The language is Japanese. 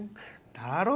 だろ？